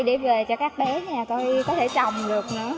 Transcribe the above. để về cho các bé nhà tôi có thể trồng được nữa